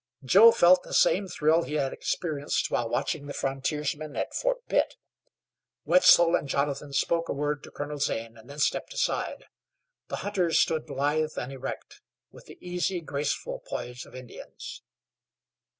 Joe felt the same thrill he had experienced while watching the frontiersmen at Fort Pitt. Wetzel and Jonathan spoke a word to Colonel Zane and then stepped aside. The hunters stood lithe and erect, with the easy, graceful poise of Indians.